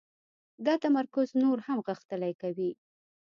دا تمرکز نور هم غښتلی کوي